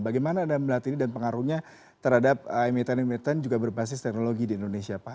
bagaimana anda melihat ini dan pengaruhnya terhadap emiten emiten juga berbasis teknologi di indonesia pak